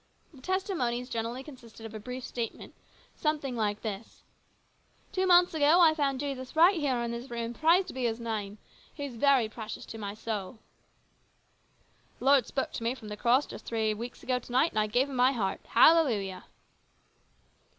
The testimonies generally consisted of a brief statement, something like this :" Two months ago I found Jesus right here in this room, praised be His name ! He is very precious to my soul." 10 146 HIS BROTHER'S KEEPER. " The Lord spoke to me from the cross just three weeks ago to night, and I gave Him my heart. Hallelujah!"